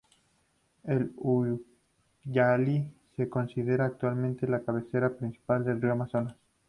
El Ucayali se considera actualmente la cabecera principal del río Amazonas.